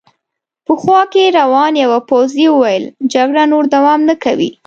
په خوا کې روان یوه پوځي وویل: جګړه نور دوام نه کوي.